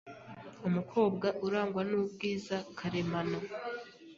Umukobwa urangwa n’ubwiza karemano